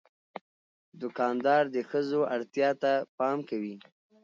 دوکاندار د ښځو اړتیا ته پام کوي.